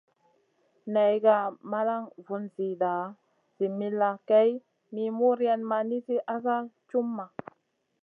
Nagay malan vun zida zi millàh, kay mi muriayn ma nizi asa cumʼma.